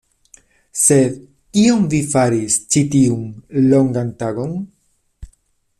Sed, kion vi faris ĉi tiun longan tagon?